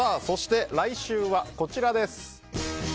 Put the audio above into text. そして、来週はこちらです。